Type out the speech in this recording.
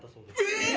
えっ！